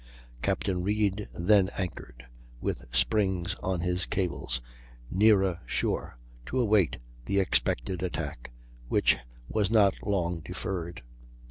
Captain Reid then anchored, with springs on his cables, nearer shore, to await the expected attack, which was not long deferred.